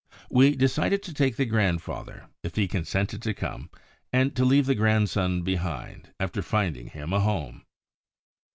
We decided to take the grandfather, if he consented to come, and to leave the grandson behind, after finding him a home.